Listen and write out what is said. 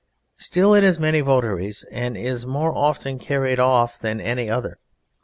Still it has many votaries, and is more often carried off than any other.